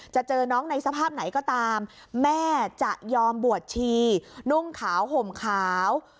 เจอน้องในสภาพไหนก็ตามแม่จะยอมบวชชีนุ่งขาวห่มขาว